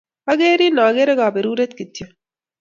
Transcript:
Akerin akere kaperuret kityo.